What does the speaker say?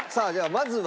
まずは